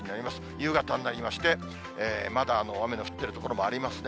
夕方になりまして、まだ雨の降っている所もありますね。